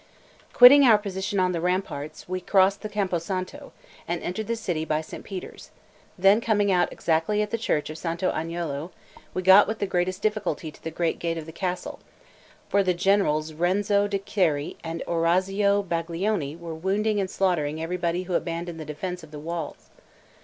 Quitting our position on the ramparts, we crossed the Campo Santo, and entered the city by St. Peter's; then coming out exactly at the church of Santo Agnolo, we got with the greatest difficulty to the great gate of the castle; for the generals Renzo di Ceri and Orazio Baglioni were wounding and slaughtering everybody who abandoned the defence of the walls.